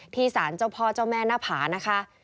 สารเจ้าพ่อเจ้าแม่หน้าผานะคะ